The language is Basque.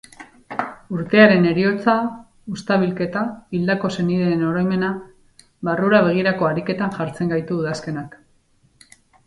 Urtearen heriotza, uzta bilketa, hildako senideen oroimena… barrura begirako ariketan jartzen gaitu udazkenak.